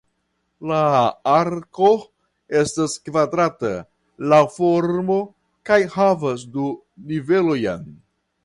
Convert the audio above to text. La arko estas kvadrata laŭ formo kaj havas du nivelojn.